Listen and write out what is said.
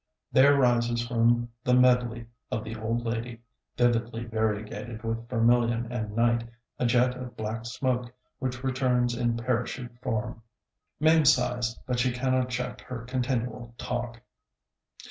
There rises from the medley of the old lady, vividly variegated with vermilion and night, a jet of black smoke, which returns in parachute form. Mame sighs, but she cannot check her continual talk.